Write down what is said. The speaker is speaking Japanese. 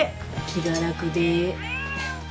気が楽で。